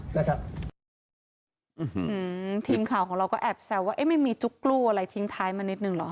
ทีมข่าวของเราก็แอบแซวว่าเอ๊ะไม่มีจุ๊กกลู้อะไรทิ้งท้ายมานิดนึงเหรอ